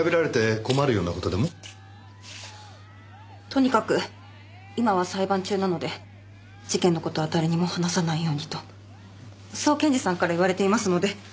とにかく今は裁判中なので事件の事は誰にも話さないようにとそう検事さんから言われていますので。